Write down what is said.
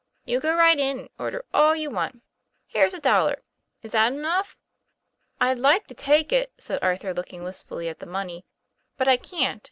You go right in, and order all you want, Here's a dollar. Is that enough ?'" I'd like to take it," said Arthur, looking wistfully at the money, "But I can't.